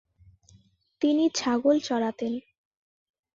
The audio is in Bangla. তিনি ছাগল চরাতেন।